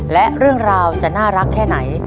และเรื่องราวจะน่ารักแค่ไหน